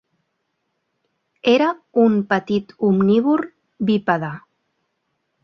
Era un petit omnívor bípede.